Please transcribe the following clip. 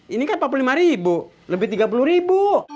ini kan rp empat puluh lima lebih rp tiga puluh